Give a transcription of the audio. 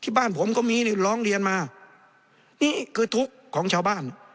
บ้านผมก็มีร้องเรียนมานี่คือทุกข์ของชาวบ้าน